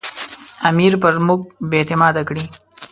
امیر پر موږ بې اعتماده کړي.